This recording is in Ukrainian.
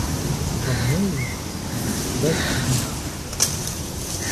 А в неї — дасть біг!